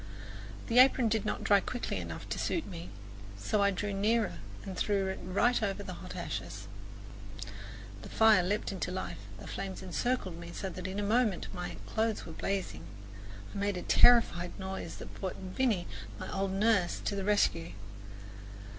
The apron did not dry quickly enough to suit me, so I drew nearer and threw it right over the hot ashes. The fire leaped into life; the flames encircled me so that in a moment my clothes were blazing. I made a terrified noise that brought Viny, my old nurse, to the rescue.